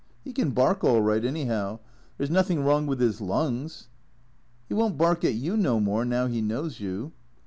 He can bark all right, anyhow. There 's nothing wrong with his lungs." " He won't bark at you no more, now he knows you."